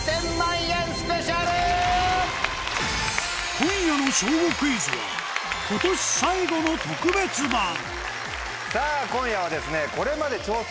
今夜の『小５クイズ』は今年最後の特別版さぁ今夜はですね。